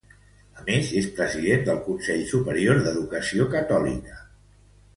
A més, és president del Consell Superior d'Educació Catòlica.